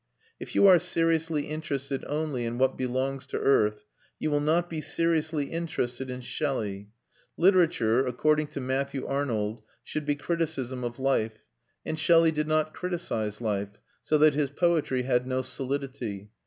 If you are seriously interested only in what belongs to earth you will not be seriously interested in Shelley. Literature, according to Matthew Arnold, should be criticism of life, and Shelley did not criticise life; so that his poetry had no solidity.